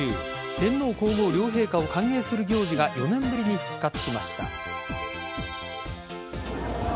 天皇皇后両陛下を歓迎する行事が４年ぶりに復活しました。